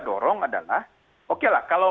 dorong adalah oke lah kalau